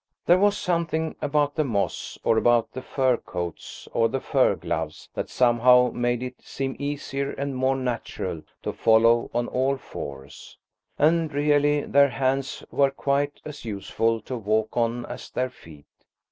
There was something about the moss, or about the fur coats or the fur gloves, that somehow made it seem easier and more natural to follow on all fours–and really their hands were quite as useful to walk on as their feet.